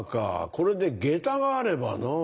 これで下駄があればなぁ。